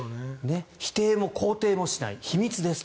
否定も肯定もしない秘密です。